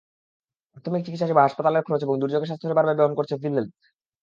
প্রাথমিক চিকিৎসাসেবা, হাসপাতালের খরচ এবং দুর্যোগে স্বাস্থ্যসেবার ব্যয় বহন করছে ফিলহেলথ।